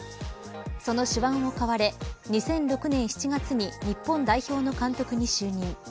その手腕を買われ２００６年７月に日本代表の監督に就任。